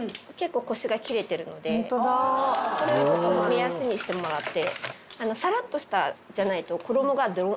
これを目安にしてもらって。